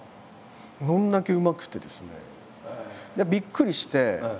それだけうまくてですねびっくりして。